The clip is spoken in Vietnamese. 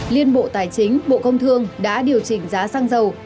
liên bộ tài chính bộ công thương đã điều chỉnh giá xăng dầu